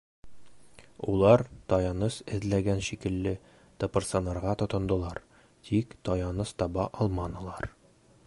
Улар, таяныс эҙләгән шикелле, тыпырсынырға тотондолар, тик таяныс таба алманылар.